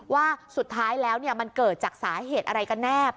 ว่าสุดท้ายแล้วมันเกิดจากสาเหตุอะไรกันแน่